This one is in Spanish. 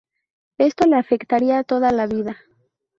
Esto le afectaría toda la vida.